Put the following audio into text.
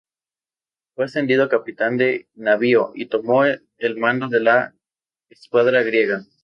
Fue ascendido a capitán de navío y tomó el mando de la escuadra griega.